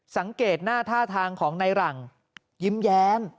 สังเกตหน้าท่าทางของในหลังยิ้มแย้ม